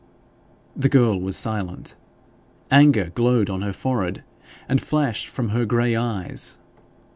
The girl was silent. Anger glowed on her forehead and flashed from her grey eyes.